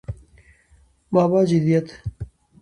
ما بعد جديديت